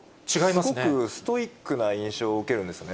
すごくストイックな印象を受けるんですね。